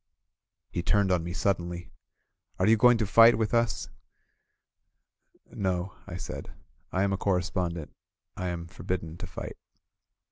He turned on me suddenly: "Are you going to flght with us?" "No," I said. "I am a correspondent. I am for bidden to fight."